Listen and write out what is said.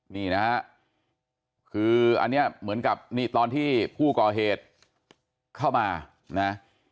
นี่นะฮะคืออันนี้เหมือนกับนี่ตอนที่ผู้ก่อเหตุเข้ามานะ